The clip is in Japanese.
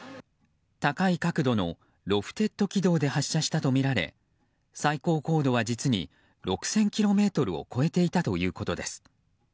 高い角度のロフテッド軌道で発射したとみられ最高高度は実に６０００ｋｍを超えていたということです。